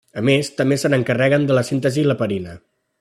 A més, també s'encarreguen de la síntesi l'heparina.